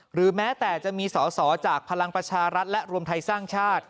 หรือแม้แต่จะมีสอสอจากพลังประชารัฐและรวมไทยสร้างชาติ